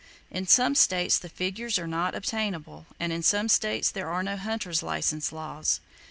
In some states the figures are not obtainable, and in some states there are no hunters' license laws.